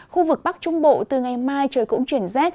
khu vực bắc trung bộ từ ngày mai trời cũng chuyển rét